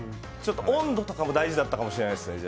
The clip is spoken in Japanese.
温度とかも大事だったかもしれないです。